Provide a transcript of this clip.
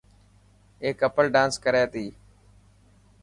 اي ڪپل ڊانس ڪري تي.